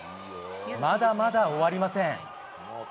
まだまだ終わりません。